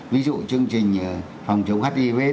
ví dụ như là chương trình phòng chống hiv